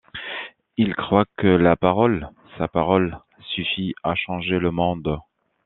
Il croit que la parole - sa parole - suffit à changer le monde.